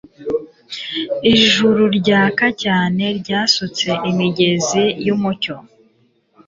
Ijuru ryaka cyane ryasutse imigezi yumucyo